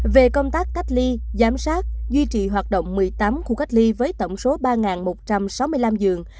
về công tác cách ly giám sát duy trì hoạt động một mươi tám khu cách ly với tổng số ba một trăm sáu mươi năm giường